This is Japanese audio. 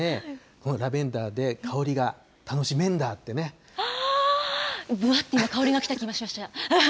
このラベンダーで香りが楽しめんわー、ぶわっと香りが来た気がしました。